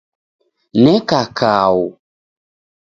Neka kau